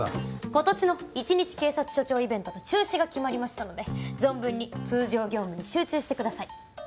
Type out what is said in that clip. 今年の１日警察署長イベントの中止が決まりましたので存分に通常業務に集中してください。